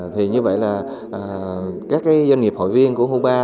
thì như vậy là các cái doanh nghiệp hội viên của hubar